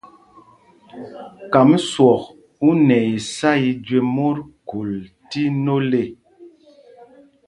Kam swɔk u nɛ isá i jüe mot khul tí nôl ê.